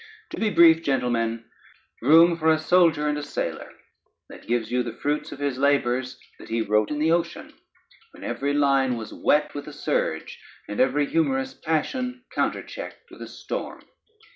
To be brief, gentlemen, room for a soldier and a sailor, that gives you the fruits of his labors that he wrote in the ocean, when every line was wet with a surge, and every humorous passion counterchecked with a storm.